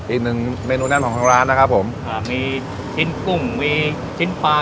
อีกหนึ่งเมนูแน่นของทางร้านนะครับผมอ่ามีชิ้นกุ้งมีชิ้นปลา